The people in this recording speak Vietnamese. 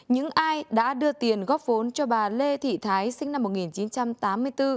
những ai đã đưa tiền góp vốn cho bà lê thị thái sinh năm một nghìn chín trăm tám mươi bốn